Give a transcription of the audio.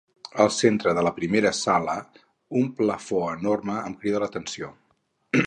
Al centre de la primera sala un plafó enorme em crida l'atenció.